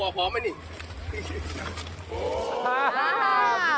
เอาหางลง